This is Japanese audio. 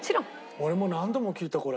俺も何度も聴いたこれ。